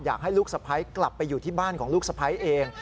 อยากให้ลูกสะพ้ายกลับไปอยู่ที่บ้านของลูกสะพ้ายเอง